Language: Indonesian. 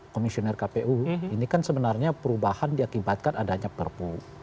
komisioner kpu ini kan sebenarnya perubahan diakibatkan adanya perpu